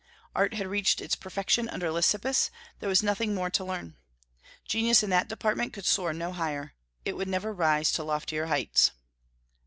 Art had reached its perfection under Lysippus; there was nothing more to learn. Genius in that department could soar no higher. It will never rise to loftier heights.